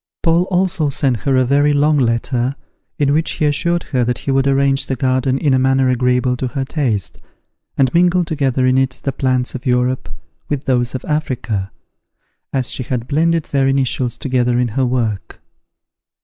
Paul also sent her a very long letter, in which he assured her that he would arrange the garden in a manner agreeable to her taste, and mingle together in it the plants of Europe with those of Africa, as she had blended their initials together in her work.